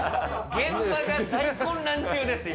現場が大混乱中です、今。